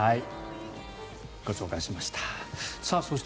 ご紹介しました。